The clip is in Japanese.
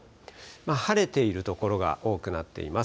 晴れている所が多くなっています。